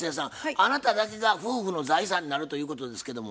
あなただけが夫婦の財産になるということですけども？